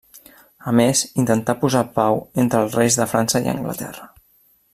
A més, intentà posar pau entre els reis de França i Anglaterra.